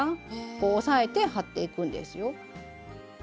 こう押さえて貼っていくんですよ。